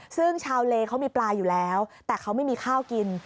ซึ่งชาวเลเขามีปลาอยู่แล้วแต่เขาไม่มีข้าวกิน